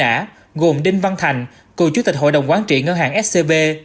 truy nã gồm đinh văn thành cựu chủ tịch hội đồng quán trị ngân hàng scb